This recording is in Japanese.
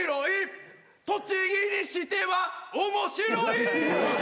「栃木にしては面白い」